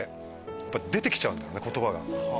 やっぱ出てきちゃうんだろうね言葉が。